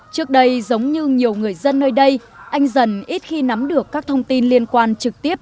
trước đây giống như nhiều người dân nơi đây anh dần ít khi nắm được các thông tin liên quan trực tiếp